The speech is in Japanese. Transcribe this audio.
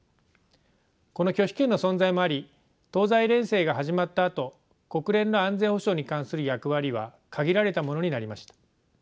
この拒否権の存在もあり東西冷戦が始まったあと国連の安全保障に関する役割は限られたものになりました。